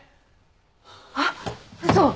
あっ嘘。